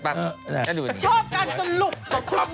ชอบการสรุปปะคุณแม่